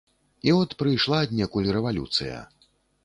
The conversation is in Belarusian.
І от прыйшла аднекуль рэвалюцыя.